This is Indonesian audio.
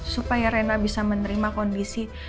supaya rena bisa menerima kondisi